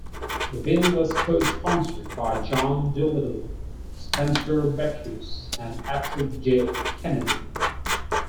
The bill was co-sponsored by John Doolittle, Spencer Bachus and Patrick J. Kennedy.